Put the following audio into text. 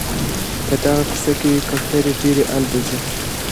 په دغه کوڅه کي کوتري ډېري البوځي.